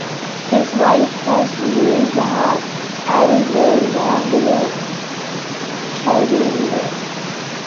His wife was Luisa Alvarado Carrillo.